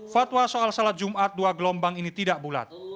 fatwa soal sholat jum'at dua gelombang ini tidak bulat